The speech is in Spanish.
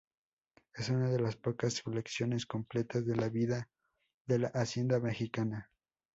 Es una de las pocas colecciones completas de la vida de la hacienda mexicana.